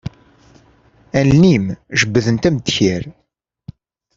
Allen-im jebbdent am ddkir.